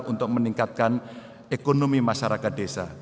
untuk meningkatkan ekonomi masyarakat desa